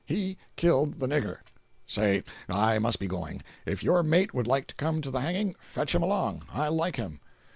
He killed the nigger. Say—I must be going. If your mate would like to come to the hanging, fetch him along. I like him."